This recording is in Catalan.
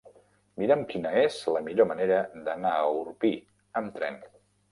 Mira'm quina és la millor manera d'anar a Orpí amb tren.